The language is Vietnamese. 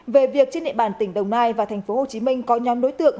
về việc trên địa bàn tỉnh đồng nai và thành phố hồ chí minh có nhóm đối tượng